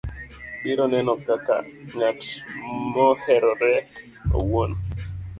biro neno kaka ng'at moherore owuon